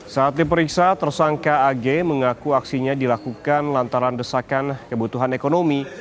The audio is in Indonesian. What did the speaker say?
saat diperiksa tersangka ag mengaku aksinya dilakukan lantaran desakan kebutuhan ekonomi